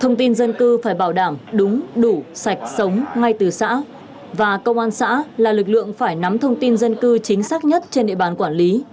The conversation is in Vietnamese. thông tin dân cư phải bảo đảm đúng đủ sạch sống ngay từ xã và công an xã là lực lượng phải nắm thông tin dân cư chính xác nhất trên địa bàn quản lý